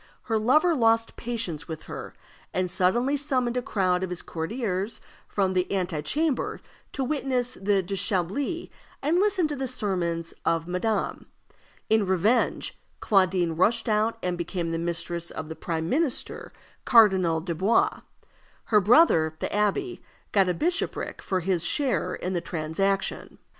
her lover lost patience with her, and suddenly summoned a crowd of his courtiers from the ante chamber to witness the déshabillé and listen to the sermons of madame. In revenge, Claudine rushed out and became the mistress of the prime minister, Cardinal Dubois. Her brother, the abbé, got a bishopric for his share in the transaction.